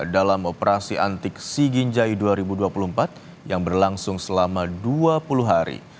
dalam operasi antik si ginjai dua ribu dua puluh empat yang berlangsung selama dua puluh hari